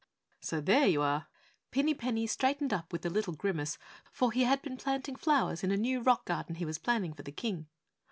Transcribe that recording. "So there you are!" Pinny Penny straightened up with a little grimace, for he had been planting flowers in a new rock garden he was planning for the King.